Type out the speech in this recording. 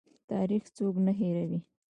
تاریخ څوک نه هیروي؟